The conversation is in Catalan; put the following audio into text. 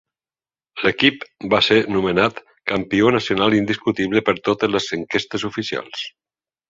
L'equip va ser nomenat "campió nacional indiscutible per totes les enquestes oficials".